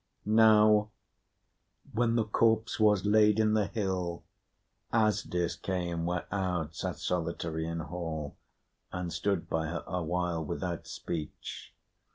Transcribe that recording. Now, when the corpse was laid in the hill, Asdis came where Aud sat solitary in hall, and stood by her awhile without speech.